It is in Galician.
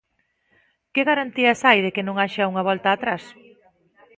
Que garantías hai de que non haxa unha volta atrás?